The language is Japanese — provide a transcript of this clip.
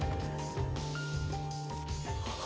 ああ！